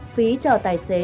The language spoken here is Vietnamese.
phí cho tài xế